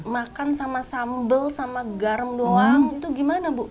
makan sama sambal sama garam doang itu gimana bu